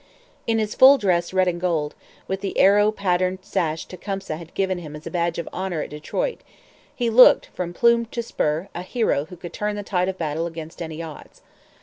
In his full dress red and gold, with the arrow patterned sash Tecumseh had given him as a badge of honour at Detroit, he looked, from plume to spur, a hero who could turn the tide of battle against any odds.